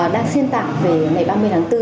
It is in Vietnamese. đang xuyên tạm về ngày ba mươi tháng bốn